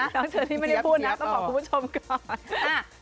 น้องเชนที่ไม่ได้พูดนะต้องพอคุณผู้ชมก่อน